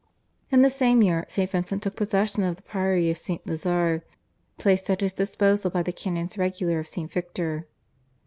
In the same year St. Vincent took possession of the priory of St. Lazare placed at his disposal by the canons regular of St. Victor.